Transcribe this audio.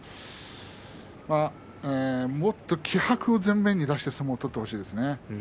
もっと気迫を前面に出して相撲を取ってほしいですね。